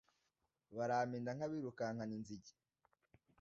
barampinda nk'abirukana inzige